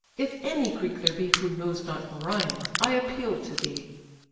If any Greek there be Who knows not Merion, I appeal to thee."